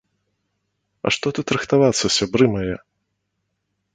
А што тут рыхтавацца, сябры мае?